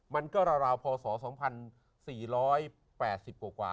มันก็ราวพศ๒๔๘๐กว่า